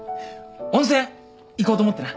温泉行こうと思ってな。